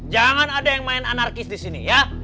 jangan ada yang main anarkis disini ya